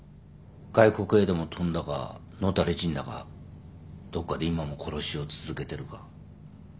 外国へでも飛んだか野垂れ死んだかどっかで今も殺しを続けてるか。